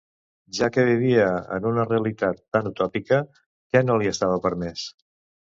Ja que vivia en una realitat tan utòpica, què no li estava permès?